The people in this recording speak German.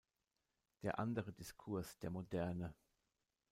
Der andere Diskurs der Moderne“.